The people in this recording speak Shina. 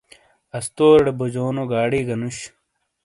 استوریڑے بوجونو گاڑی گہ نوش۔